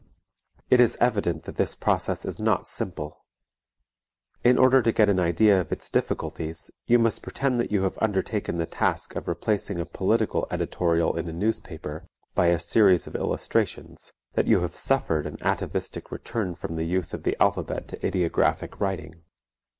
It is evident that this process is not simple. In order to get an idea of its difficulties you must pretend that you have undertaken the task of replacing a political editorial in a newspaper by a series of illustrations, that you have suffered an atavistic return from the use of the alphabet to ideographic writing.